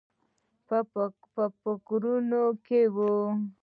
په فکرونو کې و.